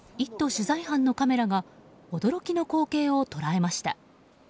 取材班のカメラが驚きの光景を捉えました。